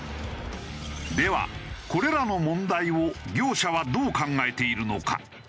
ではこれらの問題を業者はどう考えているのか？